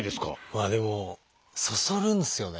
まあでもそそるんですよね。